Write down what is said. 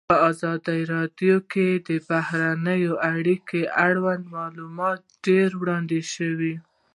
په ازادي راډیو کې د بهرنۍ اړیکې اړوند معلومات ډېر وړاندې شوي.